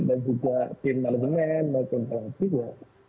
dan juga tim malibu men dan tim malam fiwa